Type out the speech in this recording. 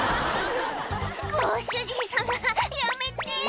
「ご主人様やめて！